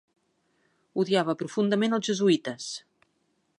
Odiava profundament els jesuïtes.